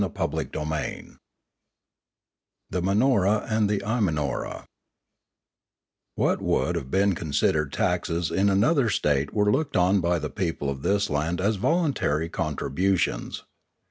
CHAPTER X THE MANORA AND THE IMANORA WHAT would have been considered taxes in another state were looked on by the people of this land as voluntary contributions.